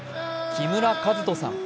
木村和人さん